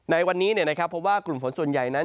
ในวันนี้พบว่ากลุ่มฝนส่วนใหญ่นั้น